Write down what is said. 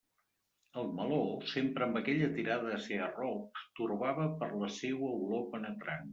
El meló, sempre amb aquella tirada a ser arrop, torbava per la seua olor penetrant.